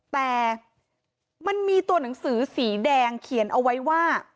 แต่มันมีตัวหนังสือสีแดงเขียนเอาไว้ว่า